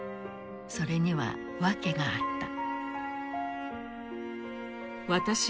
それには訳があった。